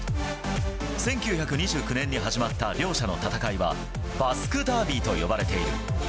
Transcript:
１９２９年に始まった両者の戦いは、バスク・ダービーと呼ばれている。